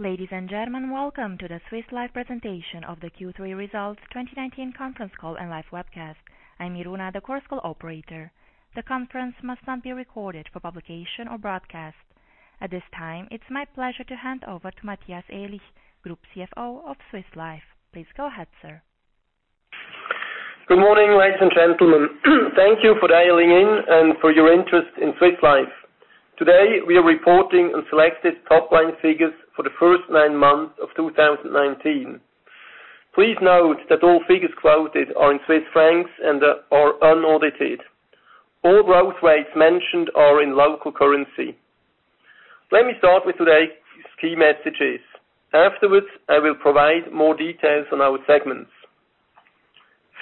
Ladies and gentlemen, welcome to the Swiss Life presentation of the Q3 Results 2019 conference call and live webcast. I'm Iruna, the core call operator. The conference must not be recorded for publication or broadcast. At this time, it's my pleasure to hand over to Matthias Aellig, Group CFO of Swiss Life. Please go ahead, sir. Good morning, ladies and gentlemen. Thank you for dialing in and for your interest in Swiss Life. Today, we are reporting on selected top-line figures for the first nine months of 2019. Please note that all figures quoted are in Swiss francs and are unaudited. All growth rates mentioned are in local currency. Let me start with today's key messages. Afterwards, I will provide more details on our segments.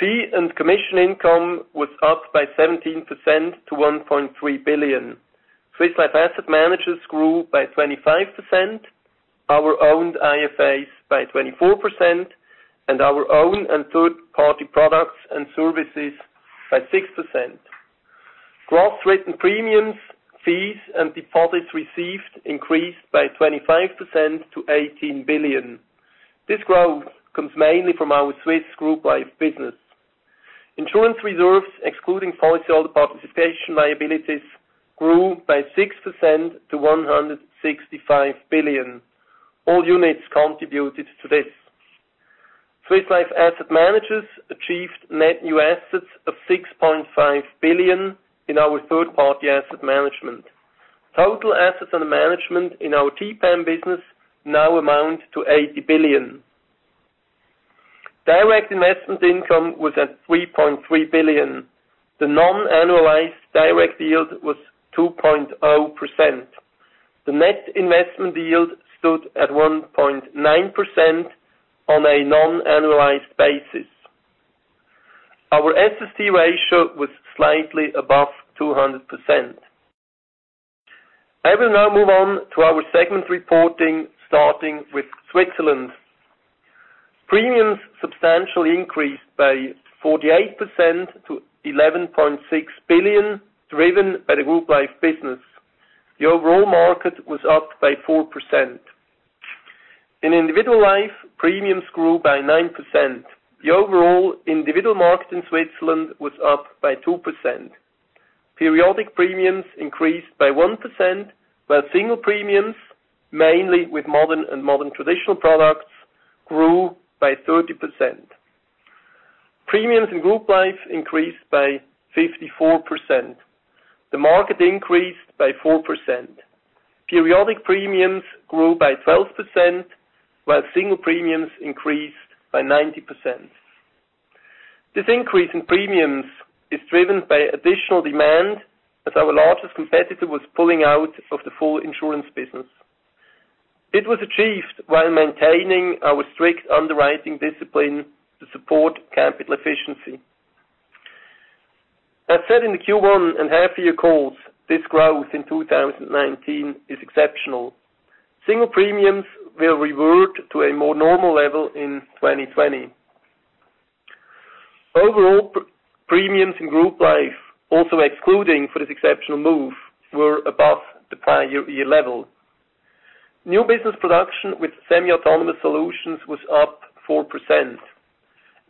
Fee and commission income was up by 17% to 1.3 billion. Swiss Life Asset Managers grew by 25%, our owned IFAs by 24%, and our own and third-party products and services by 6%. Gross written premiums, fees, and deposits received increased by 25% to 18 billion. This growth comes mainly from our Swiss group life business. Insurance reserves, excluding policyholder participation liabilities, grew by 6% to 165 billion. All units contributed to this. Swiss Life Asset Managers achieved net new assets of 6.5 billion in our third-party asset management. Total assets under management in our TPAM business now amount to 80 billion. Direct investment income was at 3.3 billion. The non-annualized direct yield was 2.0%. The net investment yield stood at 1.9% on a non-annualized basis. Our SST ratio was slightly above 200%. I will now move on to our segment reporting, starting with Switzerland. Premiums substantially increased by 48% to 11.6 billion, driven by the group life business. The overall market was up by 4%. In individual life, premiums grew by 9%. The overall individual market in Switzerland was up by 2%. Periodic premiums increased by 1%, while single premiums, mainly with modern and modern traditional products, grew by 30%. Premiums in group life increased by 54%. The market increased by 4%. Periodic premiums grew by 12%, while single premiums increased by 90%. This increase in premiums is driven by additional demand as our largest competitor was pulling out of the full insurance business. It was achieved while maintaining our strict underwriting discipline to support capital efficiency. As said in the Q1 and half-year calls, this growth in 2019 is exceptional. Single premiums will revert to a more normal level in 2020. Overall, premiums in group life, also excluding for this exceptional move, were above the prior year level. New business production with semi-autonomous solutions was up 4%.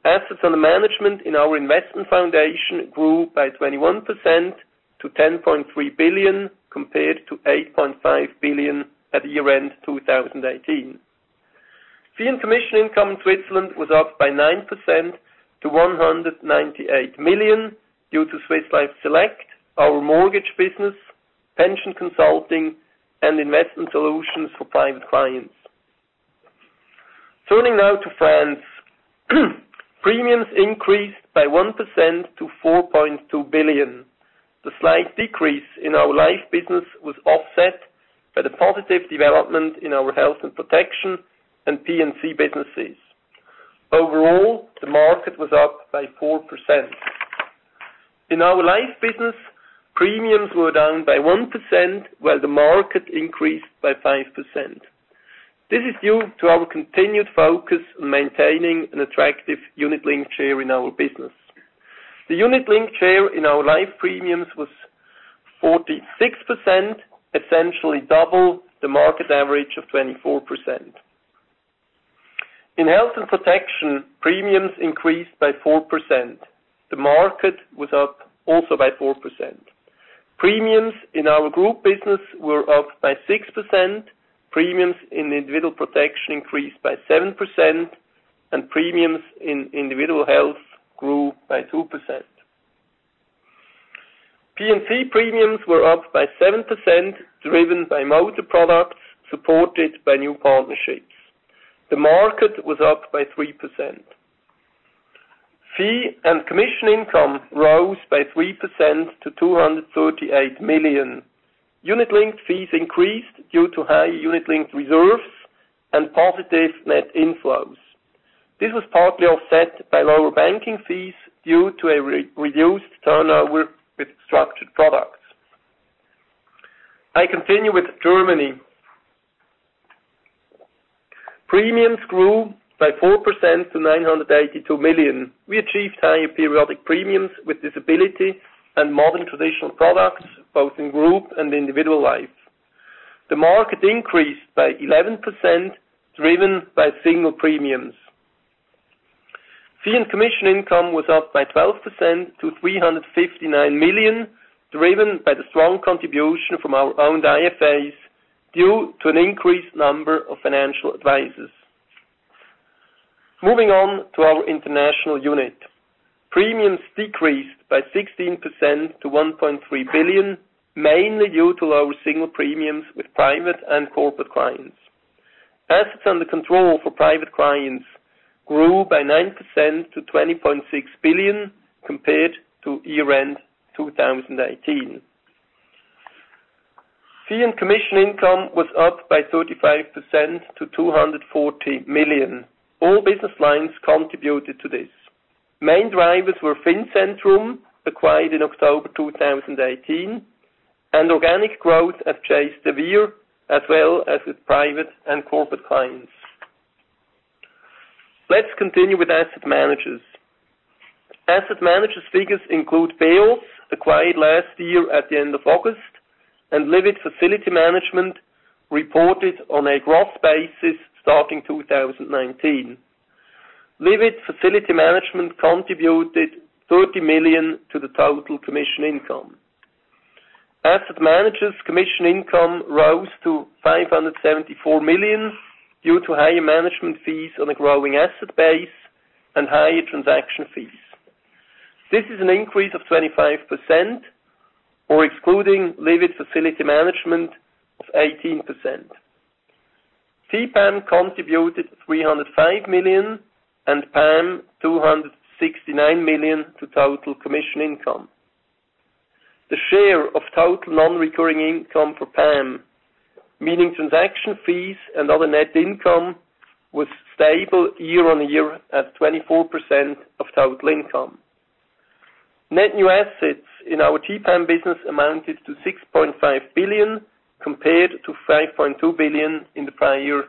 Assets under management in our investment foundation grew by 21% to 10.3 billion compared to 8.5 billion at year-end 2018. Fee and commission income in Switzerland was up by 9% to 198 million due to Swiss Life Select, our mortgage business, pension consulting, and investment solutions for prime clients. Turning now to France. Premiums increased by 1% to 4.2 billion. The slight decrease in our life business was offset by the positive development in our health and protection and P&C businesses. Overall, the market was up by 4%. In our life business, premiums were down by 1% while the market increased by 5%. This is due to our continued focus on maintaining an attractive unit link share in our business. The unit link share in our life premiums was 46%, essentially double the market average of 24%. In health and protection, premiums increased by 4%. The market was up also by 4%. Premiums in our group business were up by 6%, premiums in individual protection increased by 7%, and premiums in individual health grew by 2%. P&C premiums were up by 7%, driven by motor products supported by new partnerships. The market was up by 3%. Fee and commission income rose by 3% to 238 million. Unit-linked fees increased due to high unit-linked reserves and positive net inflows. This was partly offset by lower banking fees due to a reduced turnover with structured products. I continue with Germany. Premiums grew by 4% to 982 million. We achieved higher periodic premiums with disability and modern traditional products, both in group and individual lives. The market increased by 11%, driven by single premiums. Fee and commission income was up by 12% to 359 million, driven by the strong contribution from our own IFAs due to an increased number of financial advisors. Moving on to our international unit. Premiums decreased by 16% to 1.3 billion, mainly due to lower single premiums with private and corporate clients. Assets under control for private clients grew by 9% to 20.6 billion compared to year-end 2018. Fee and commission income was up by 35% to 240 million. All business lines contributed to this. Main drivers were Fincentrum, acquired in October 2018, and organic growth at Chase de Vere, as well as with private and corporate clients. Let's continue with asset managers. Asset managers figures include BEOS, acquired last year at the end of August, and Livit Facility Management reported on a gross basis starting 2019. Livit Facility Management contributed 30 million to the total commission income. Asset managers commission income rose to 574 million due to higher management fees on a growing asset base and higher transaction fees. This is an increase of 25% or excluding Livit Facility Management of 18%. TPAM contributed 305 million and PAM 269 million to total commission income. The share of total non-recurring income for PAM, meaning transaction fees and other net income, was stable year on year at 24% of total income. Net new assets in our TPAM business amounted to 6.5 billion, compared to 5.2 billion in the prior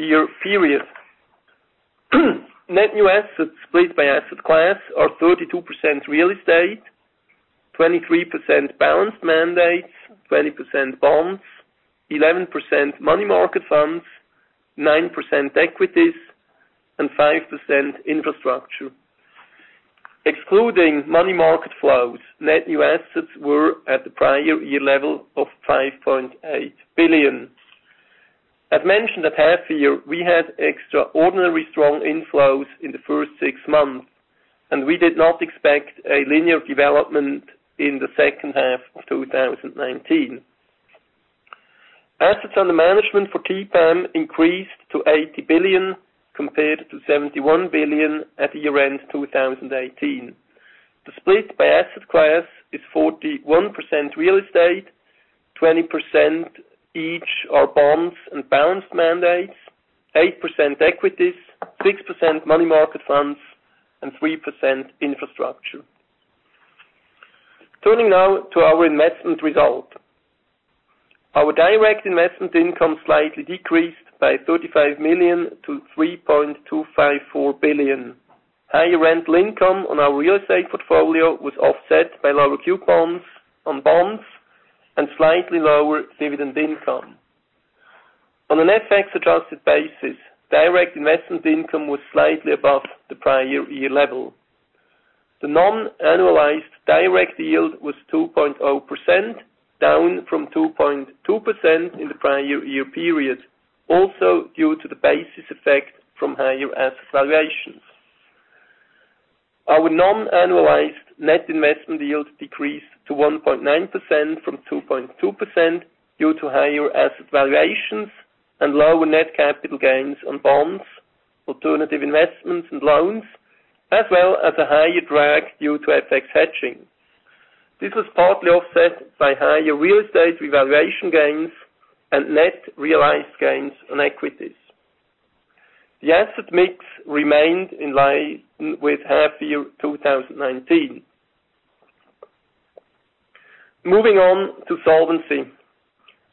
year period. Net new assets split by asset class are 32% real estate, 23% balanced mandates, 20% bonds, 11% money market funds, nine percent equities, and five percent infrastructure. Excluding money market flows, net new assets were at the prior year level of 5.8 billion. As mentioned at half year, we had extraordinary strong inflows in the first six months, and we did not expect a linear development in the second half of 2019. Assets under management for TPAM increased to 80 billion compared to 71 billion at year-end 2018. The split by asset class is 41% real estate, 20% each are bonds and balanced mandates, 8% equities, 6% money market funds, and 3% infrastructure. Turning now to our investment result. Our direct investment income slightly decreased by 35 million to 3.254 billion. Higher rental income on our real estate portfolio was offset by lower coupons on bonds and slightly lower dividend income. On an FX-adjusted basis, direct investment income was slightly above the prior year level. The non-annualized direct yield was 2.0%, down from 2.2% in the prior year period, also due to the basis effect from higher asset valuations. Our non-annualized net investment yield decreased to 1.9% from 2.2% due to higher asset valuations and lower net capital gains on bonds, alternative investments, and loans, as well as a higher drag due to FX hedging. This was partly offset by higher real estate revaluation gains and net realized gains on equities. The asset mix remained in line with half year 2019. Moving on to solvency.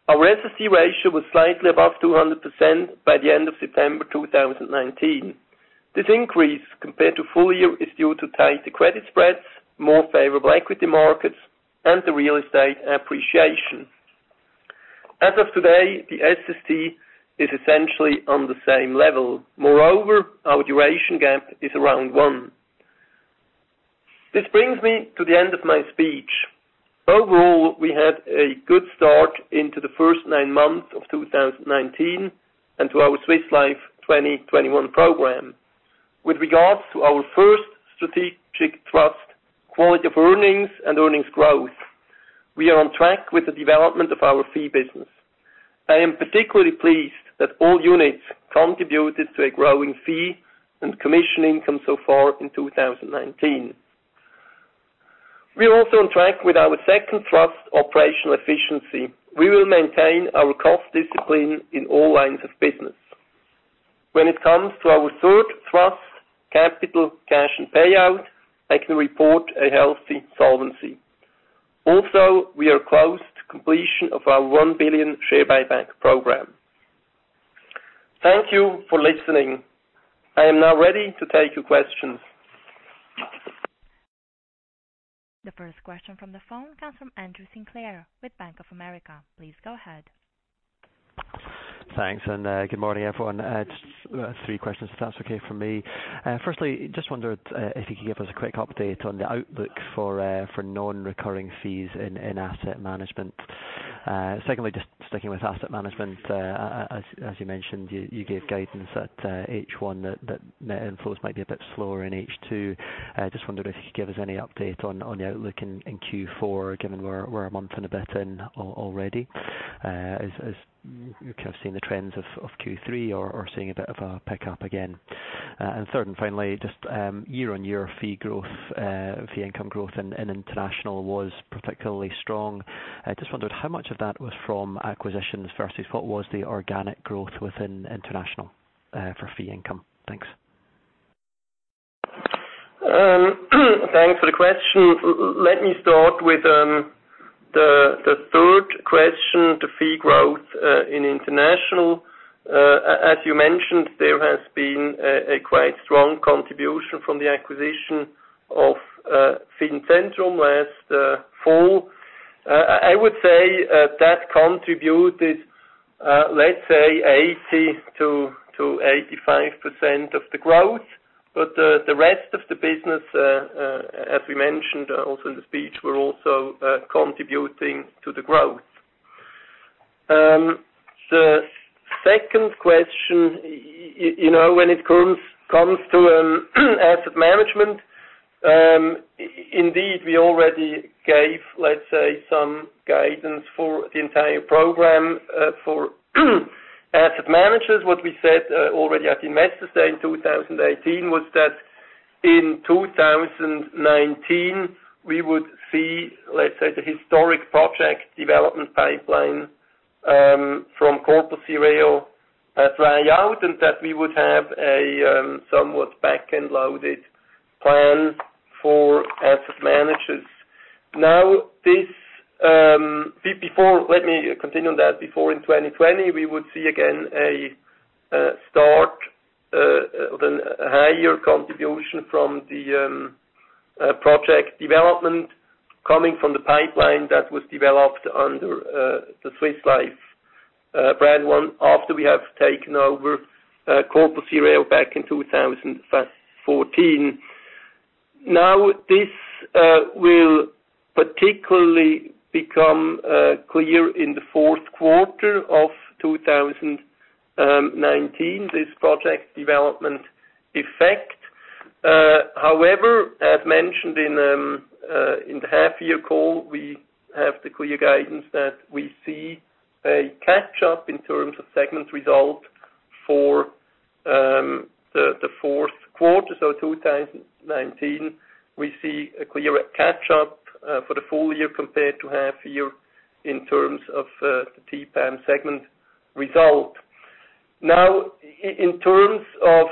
Our SST ratio was slightly above 200% by the end of September 2019. This increase compared to full year is due to tighter credit spreads, more favorable equity markets, and the real estate appreciation. As of today, the SST is essentially on the same level. Our duration gap is around one. This brings me to the end of my speech. Overall, we had a good start into the first nine months of 2019 and to our Swiss Life 2021 program. With regards to our first strategic trust, quality of earnings and earnings growth, we are on track with the development of our fee business. I am particularly pleased that all units contributed to a growing fee and commission income so far in 2019. We are also on track with our second thrust operational efficiency. We will maintain our cost discipline in all lines of business. When it comes to our third thrust Capital, Cash, and Payout, I can report a healthy solvency. Also, we are close to completion of our 1 billion share buyback program. Thank you for listening. I am now ready to take your questions. The first question from the phone comes from Andrew Sinclair with Bank of America. Please go ahead. Thanks, good morning, everyone. Just three questions, if that's okay for me. Firstly, just wondered if you could give us a quick update on the outlook for non-recurring fees in asset management. Secondly, just sticking with asset management, as you mentioned, you gave guidance at H1 that net inflows might be a bit slower in H2. I just wondered if you could give us any update on the outlook in Q4, given we're a month and a bit in already. As you keep seeing the trends of Q3 or seeing a bit of a pickup again. Third, and finally, just year-on-year fee income growth in international was particularly strong. I just wondered how much of that was from acquisitions versus what was the organic growth within international for fee income. Thanks. Thanks for the question. Let me start with the third question, the fee growth in international. As you mentioned, there has been a quite strong contribution from the acquisition of Fincentrum last fall. I would say that contributed, let's say, 80%-85% of the growth. The rest of the business, as we mentioned also in the speech, were also contributing to the growth. The second question, when it comes to asset management, indeed, we already gave, let's say, some guidance for the entire program for asset managers. What we said already at Investor Day in 2018 was that in 2019, we would see, let's say, the historic project development pipeline from CORPUS SIREO fly out, and that we would have a somewhat backend-loaded plan for asset managers. Let me continue on that. Before in 2020, we would see again a start of a higher contribution from the project development coming from the pipeline that was developed under the Swiss Life brand. One after we have taken over CORPUS SIREO back in 2014. This will particularly become clear in the fourth quarter of 2019, this project development effect. However, as mentioned in the half-year call, we have the clear guidance that we see a catch-up in terms of segment result for the fourth quarter. 2019, we see a clear catch-up for the full year compared to half year in terms of the TPAM segment result. In terms of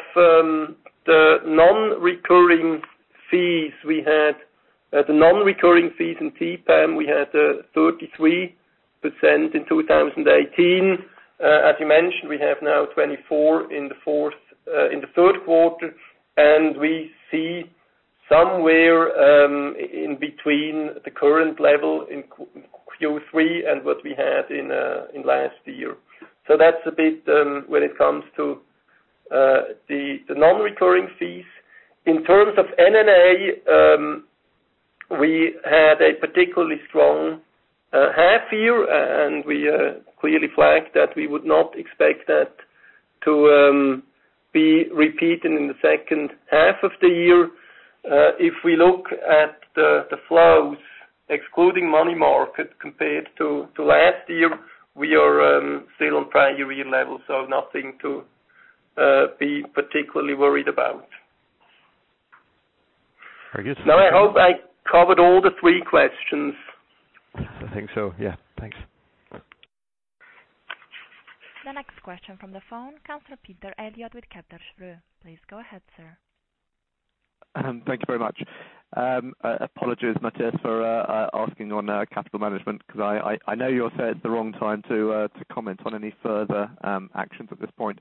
the non-recurring fees in TPAM, we had 33% in 2018. As you mentioned, we have now 24 in the third quarter, and we see somewhere in between the current level in Q3 and what we had in last year. That's a bit when it comes to the non-recurring fees. In terms of NNA, we had a particularly strong half year, and we clearly flagged that we would not expect that to be repeated in the second half of the year. If we look at the flows excluding money market compared to last year, we are still on prior year levels, so nothing to be particularly worried about. I guess- I hope I covered all the three questions. I think so, yeah. Thanks. The next question from the phone comes from Peter Eliot with Kepler Cheuvreux. Please go ahead, sir. Thank you very much. Apologies, Matthias, for asking on capital management because I know you'll say it's the wrong time to comment on any further actions at this point.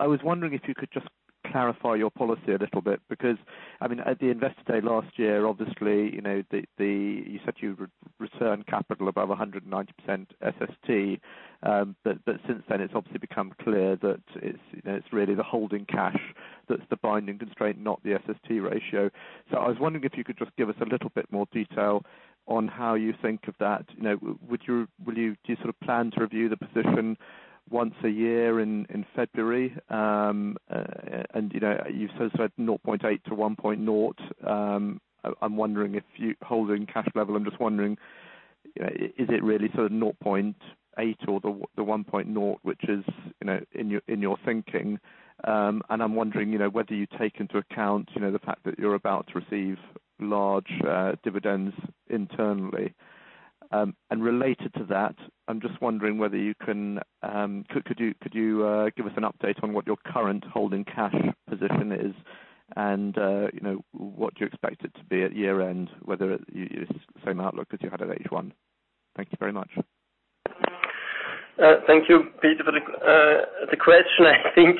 I was wondering if you could just clarify your policy a little bit, because at the Investor Day last year, obviously, you said you would return capital above 190% SST. Since then, it's obviously become clear that it's really the holding cash that's the binding constraint, not the SST ratio. I was wondering if you could just give us a little bit more detail on how you think of that. Do you plan to review the position once a year in February? You've said 0.8 to 1.0. I'm just wondering, is it really sort of 0.8 or the 1.0, which is in your thinking? I'm wondering whether you take into account the fact that you're about to receive large dividends internally. Related to that, I'm just wondering whether could you give us an update on what your current holding cash position is and what you expect it to be at year-end, whether it's the same outlook as you had at H1? Thank you very much. Thank you, Peter, for the question. I think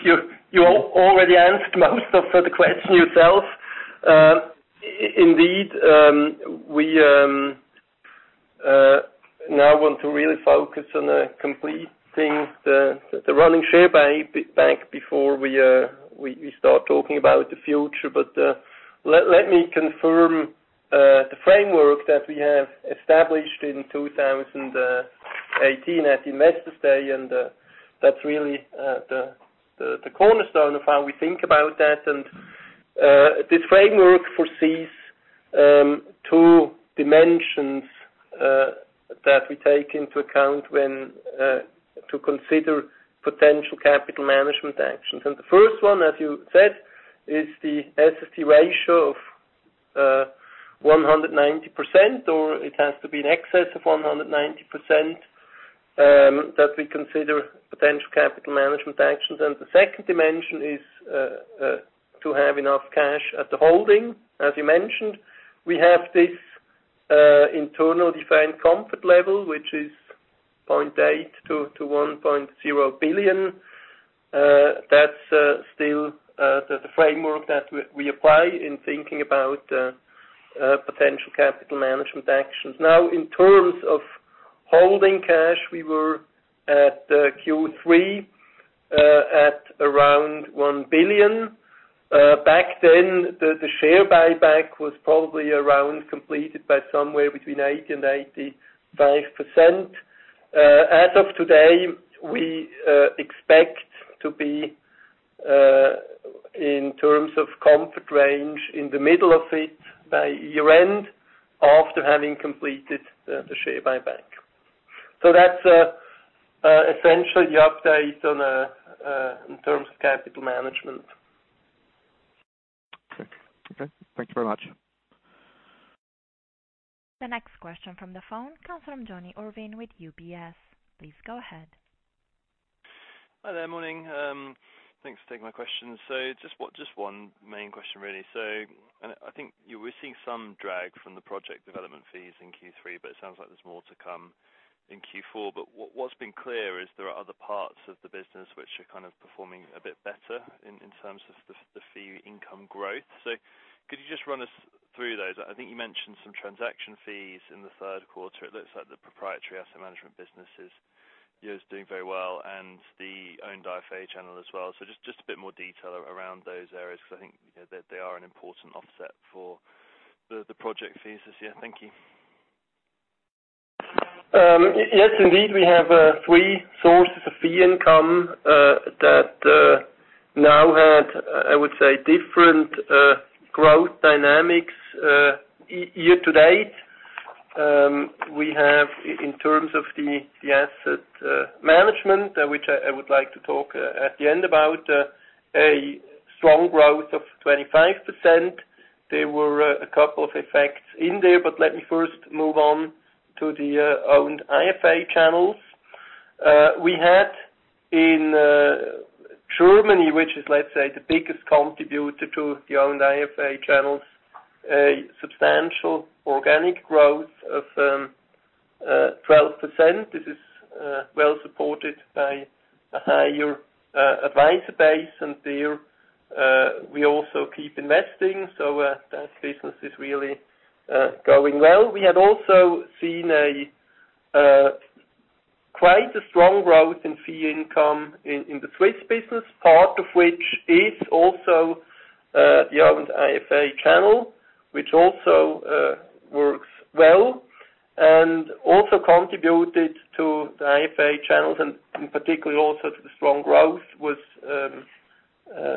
you already answered most of the question yourself. We now want to really focus on completing the running share buyback before we start talking about the future. Let me confirm the framework that we have established in 2018 at Investor Day, that's really the cornerstone of how we think about that. This framework foresees two dimensions that we take into account to consider potential capital management actions. The first one, as you said, is the SST ratio of 190%, or it has to be in excess of 190%, that we consider potential capital management actions. The second dimension is to have enough cash at the holding. As you mentioned, we have this internal defined comfort level, which is 0.8 billion-1.0 billion. That's still the framework that we apply in thinking about potential capital management actions. Now, in terms of holding cash, we were at Q3 at around 1 billion. Back then, the share buyback was probably around completed by somewhere between 80%-85%. As of today, we expect to be, in terms of comfort range, in the middle of it by year-end after having completed the share buyback. That's essentially the update in terms of capital management. Okay. Thank you very much. The next question from the phone comes from Jonny Urwin with UBS. Please go ahead. Hi there. Morning. Thanks for taking my question. Just one main question, really. I think we're seeing some drag from the project development fees in Q3, but it sounds like there's more to come in Q4. What's been clear is there are other parts of the business which are performing a bit better in terms of the fee income growth. Could you just run us through those? I think you mentioned some transaction fees in the third quarter. It looks like the proprietary asset management business is doing very well and the owned IFA channel as well. Just a bit more detail around those areas, because I think they are an important offset for the project fees this year. Thank you. Yes, indeed. We have three sources of fee income that now had, I would say, different growth dynamics year to date. We have, in terms of the asset management, which I would like to talk at the end about, a strong growth of 25%. There were a couple of effects in there. Let me first move on to the owned IFA channels. We had in Germany, which is, let's say, the biggest contributor to the owned IFA channels, a substantial organic growth of 12%. This is well supported by a higher advisor base, and there we also keep investing. That business is really going well. We had also seen quite a strong growth in fee income in the Swiss business, part of which is also the owned IFA channel, which also works well and also contributed to the IFA channels and particularly also to the strong growth with the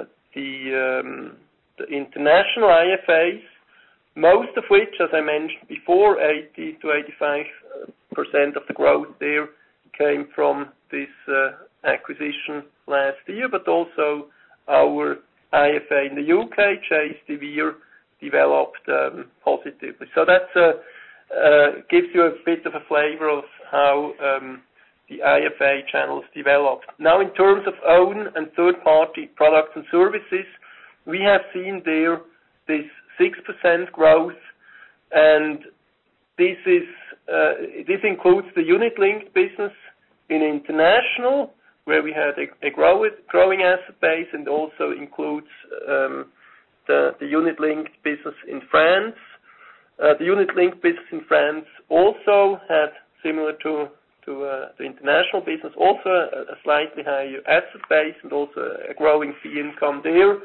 international IFAs. Most of which, as I mentioned before, 80%-85% of the growth there came from this acquisition last year, but also our IFA in the U.K., Chase de Vere, developed positively. That gives you a bit of a flavor of how the IFA channels developed. Now, in terms of owned and third-party products and services, we have seen there this 6% growth, and this includes the unit-linked business in international, where we had a growing asset base, and also includes the unit-linked business in France. The unit-linked business in France also had, similar to the international business, also a slightly higher asset base and also a growing fee income there.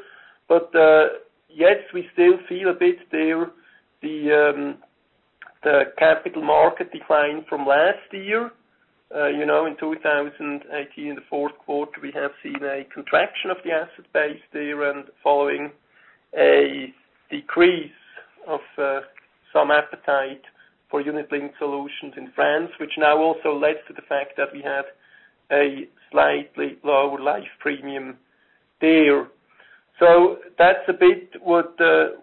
Yes, we still feel a bit there the capital market decline from last year. In 2018, in the fourth quarter, we have seen a contraction of the asset base there and following a decrease of some appetite for unit-linked solutions in France, which now also led to the fact that we had a slightly lower life premium there. That's a bit what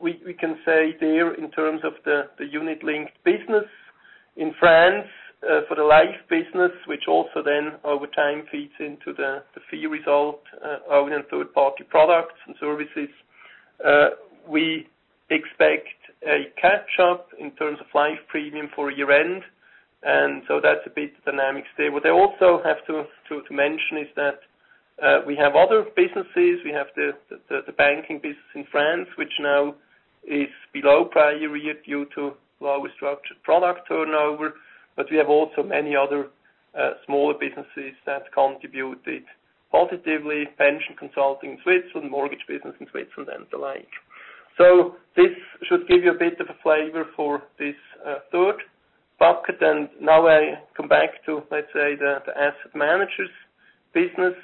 we can say there in terms of the unit-linked business in France for the life business, which also then over time feeds into the fee result of our third-party products and services. We expect a catch-up in terms of life premium for year-end, that's a bit of dynamics there. What I also have to mention is that we have other businesses. We have the banking business in France, which now is below prior year due to lower structured product turnover, but we have also many other smaller businesses that contributed positively, pension consulting in Switzerland, mortgage business in Switzerland, and the like. This should give you a bit of a flavor for this third bucket. Now I come back to, let's say, the asset managers business,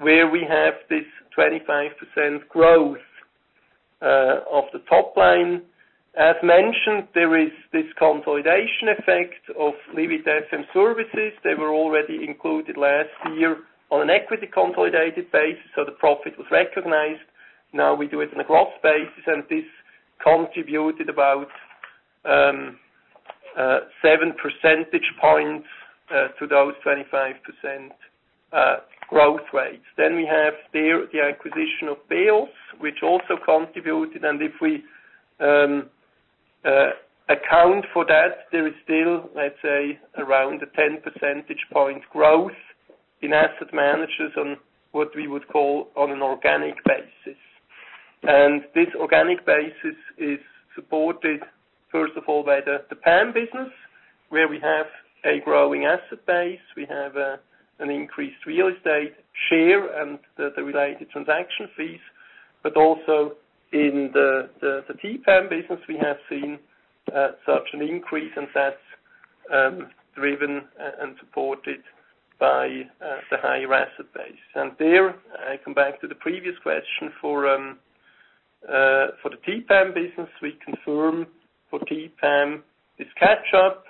where we have this 25% growth of the top line. As mentioned, there is this consolidation effect of Livit FM Services. They were already included last year on an equity consolidated basis, so the profit was recognized. Now we do it in a gross basis, and this contributed about seven percentage points to those 25% growth rates. We have there the acquisition of BEOS, which also contributed, and if we account for that, there is still, let's say, around a 10 percentage point growth in Asset Managers on what we would call on an organic basis. This organic basis is supported, first of all, by the PAM business, where we have a growing asset base. We have an increased real estate share and the related transaction fees, but also in the TPAM business, we have seen such an increase, and that's driven and supported by the higher asset base. There, I come back to the previous question. For the TPAM business, we confirm for TPAM this catch-up.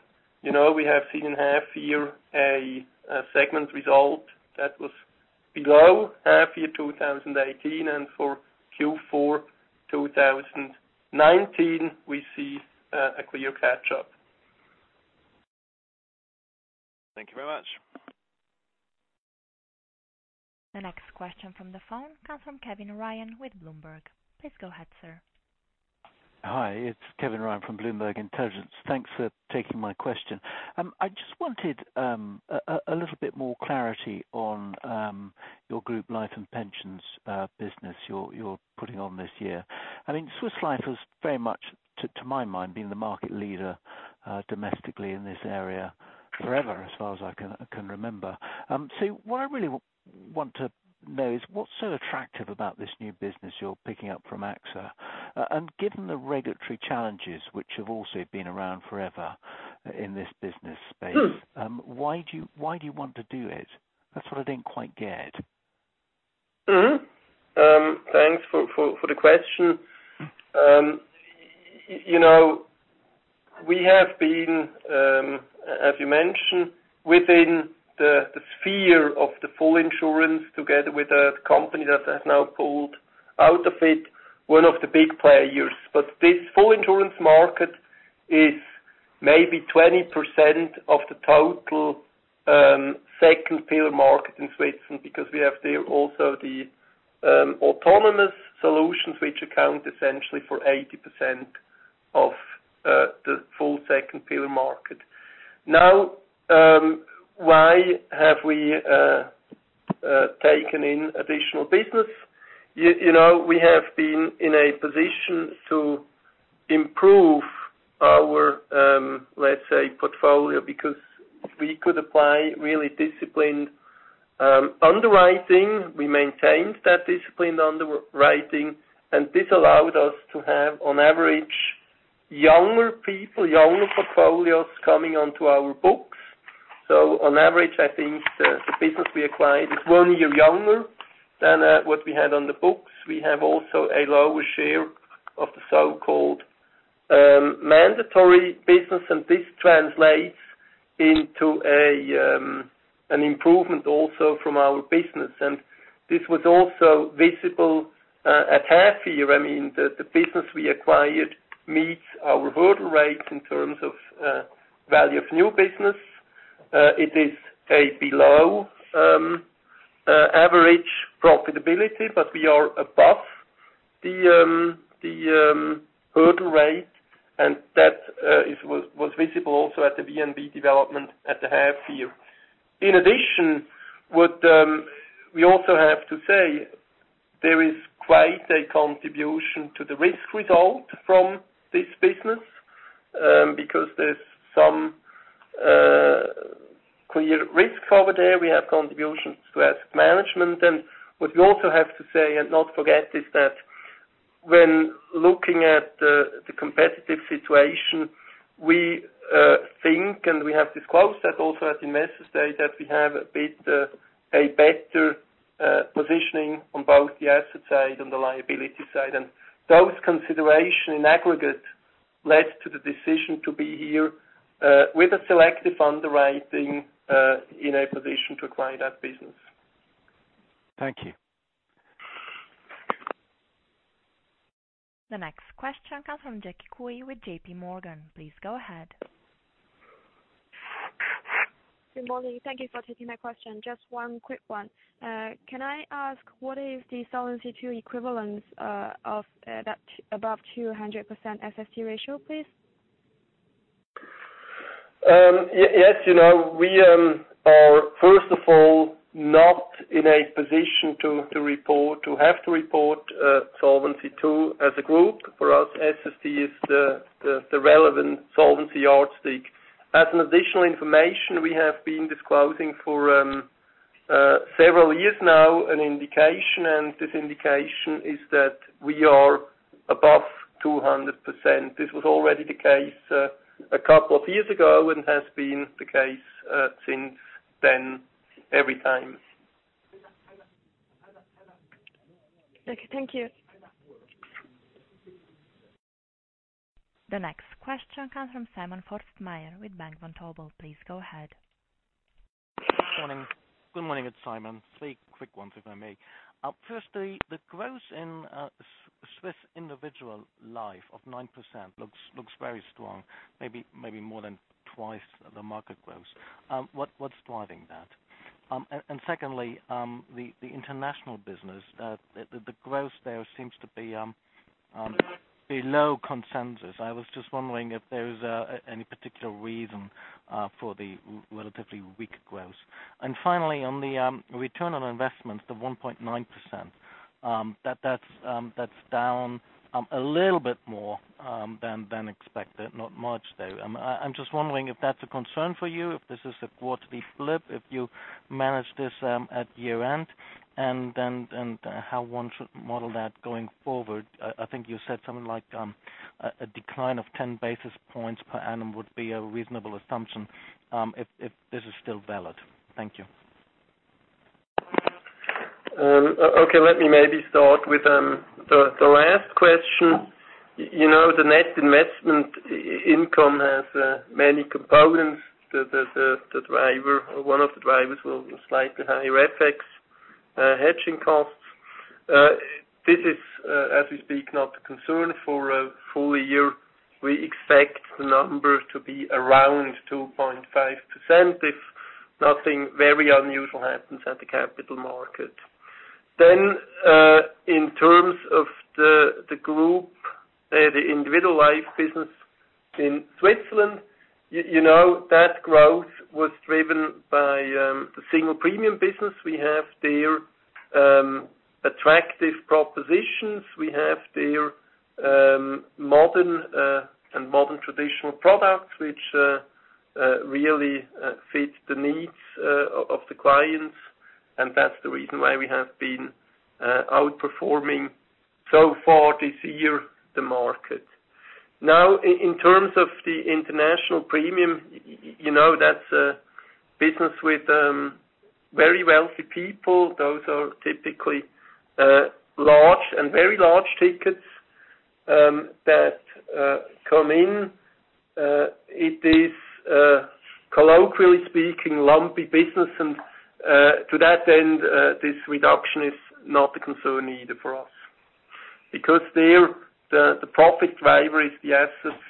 We have seen half year a segment result that was below half year 2018. For Q4 2019, we see a clear catch-up. Thank you very much. The next question from the phone comes from Kevin Ryan with Bloomberg Intelligence. Please go ahead, sir. Hi, it's Kevin Ryan from Bloomberg Intelligence. Thanks for taking my question. I just wanted a little bit more clarity on your group life and pensions business you're putting on this year. Swiss Life was very much, to my mind, being the market leader domestically in this area forever, as far as I can remember. What I really want to know is what's so attractive about this new business you're picking up from AXA? Given the regulatory challenges, which have also been around forever in this business space, why do you want to do it? That's what I didn't quite get. Thanks for the question. We have been, as you mentioned, within the sphere of the full insurance together with a company that has now pulled out of it, one of the big players. This full insurance market is maybe 20% of the total second pillar market in Switzerland, because we have there also the autonomous solutions, which account essentially for 80% of the full second pillar market. Why have we taken in additional business? We have been in a position to improve our, let's say, portfolio because we could apply really disciplined underwriting. We maintained that disciplined underwriting, and this allowed us to have, on average, younger people, younger portfolios coming onto our books. On average, I think the business we acquired is one year younger than what we had on the books. We have also a lower share of the so-called mandatory business, this translates into an improvement also from our business. This was also visible at half year. The business we acquired meets our hurdle rate in terms of Value of New Business. It is a below average profitability, we are above the hurdle rate, and that was visible also at the VNB development at the half year. In addition, what we also have to say, there is quite a contribution to the risk result from this business, because there's some clear risk over there. We have contributions to asset management. What we also have to say and not forget is that when looking at the competitive situation, we think, and we have disclosed that also at the Investor Day, that we have a bit a better positioning on both the asset side and the liability side. Those consideration in aggregate led to the decision to be here with a selective underwriting in a position to acquire that business. Thank you. The next question comes from Jackie Cui with JP Morgan. Please go ahead. Good morning. Thank you for taking my question. Just one quick one. Can I ask, what is the Solvency II equivalence of that above 200% SST ratio, please? Yes. We are, first of all, not in a position to have to report Solvency II as a group. For us, SST is the relevant solvency yardstick. As an additional information, we have been disclosing for several years now an indication, and this indication is that we are above 200%. This was already the case a couple of years ago and has been the case since then, every time. Okay. Thank you. The next question comes from Simon Fössmeier with Bank Vontobel. Please go ahead. Good morning. It's Simon. Three quick ones if I may. Firstly, the growth in Swiss individual life of 9% looks very strong. Maybe more than twice the market growth. What's driving that? Secondly, the international business, the growth there seems to be below consensus. I was just wondering if there's any particular reason for the relatively weak growth. Finally, on the return on investment, the 1.9%, that's down a little bit more than expected. Not much, though. I'm just wondering if that's a concern for you, if this is a quarterly blip, if you manage this at year-end, and how one should model that going forward. I think you said something like a decline of 10 basis points per annum would be a reasonable assumption, if this is still valid. Thank you. Let me maybe start with the last question. The net investment income has many components. One of the drivers was slightly higher FX hedging costs. This is, as we speak, not a concern for a full year. We expect the number to be around 2.5% if nothing very unusual happens at the capital market. In terms of the group, the individual life business in Switzerland, that growth was driven by the single premium business. We have there attractive propositions. We have there modern traditional products which really fit the needs of the clients, and that's the reason why we have been outperforming so far this year the market. In terms of the international premium, that's a business with very wealthy people. Those are typically large and very large tickets that come in. It is, colloquially speaking, lumpy business. To that end, this reduction is not a concern either for us. There, the profit driver is the assets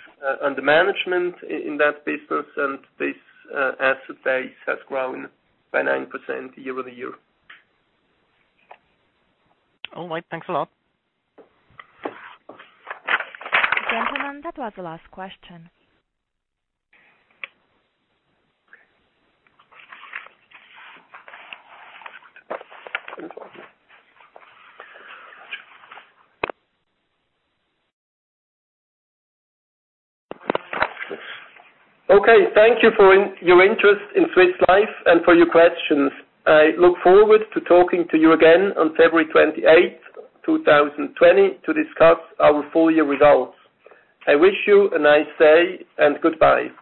and the management in that business, and this asset base has grown by 9% year-over-year. All right. Thanks a lot. Gentlemen, that was the last question. Okay. Thank you for your interest in Swiss Life and for your questions. I look forward to talking to you again on February 28th, 2020 to discuss our full year results. I wish you a nice day, and goodbye.